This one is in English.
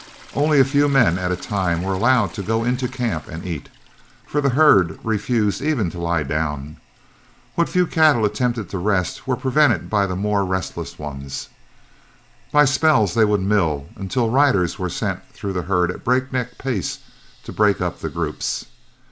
Only a few men at a time were allowed to go into camp and eat, for the herd refused even to lie down. What few cattle attempted to rest were prevented by the more restless ones. By spells they would mill, until riders were sent through the herd at a break neck pace to break up the groups.